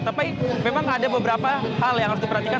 tapi memang ada beberapa hal yang harus diperhatikan